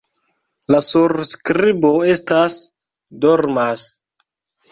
La surskribo estas: "dormas".